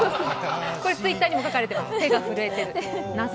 それ、Ｔｗｉｔｔｅｒにも書かれてます、手が震えてるって。